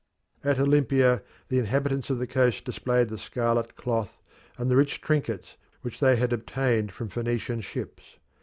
At Olympia the inhabitants of the coast displayed the scarlet cloth and the rich trinkets which they had obtained from Phoenician ships.